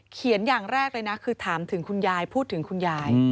อย่างแรกเลยนะคือถามถึงคุณยายพูดถึงคุณยาย